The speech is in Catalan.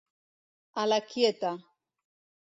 A la quieta.